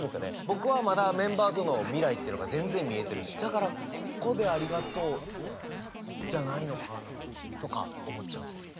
僕はまだメンバーとの未来っていうのが全然見えてるしだからここでありがとうじゃないのかなとか思っちゃいますよね。